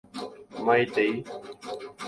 Maitei.